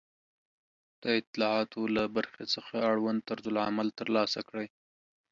د اطلاعاتو له برخې څخه اړوند طرزالعمل ترلاسه کړئ